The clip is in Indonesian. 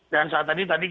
dan saat tadi